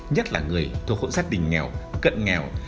nhất là người thuộc hộ gia đình nghèo cận nghèo